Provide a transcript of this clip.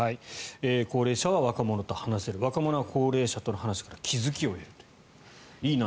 高齢者は若者と話せる若者は高齢者との話から気付きを得るという。